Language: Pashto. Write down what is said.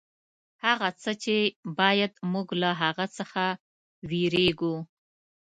هغه څه چې باید موږ له هغه څخه وېرېږو.